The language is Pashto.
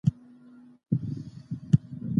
دا د یوه کس لغزش نه دی.